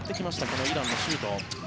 このイランのシュート。